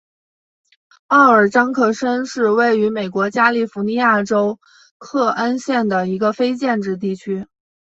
奥尔章克申是位于美国加利福尼亚州克恩县的一个非建制地区。